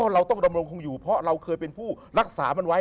เราต้องดำรงคงอยู่เพราะเราเคยเป็นผู้รักษามันไว้